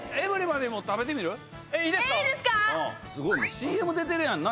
ＣＭ出てるやんな